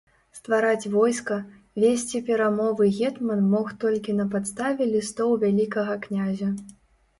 Ствараць войска, весці перамовы гетман мог толькі на падставе лістоў вялікага князя.